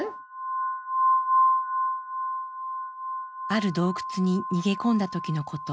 ある洞窟に逃げ込んだ時のこと。